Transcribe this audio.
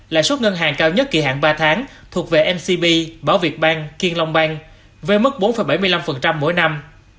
lãi suất ngân hàng cao nhất kỳ hạn ba tháng thuộc về mcb bảo việt bank kiên long banh với mức bốn bảy mươi năm mỗi năm